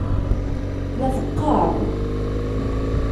La teqqaṛ.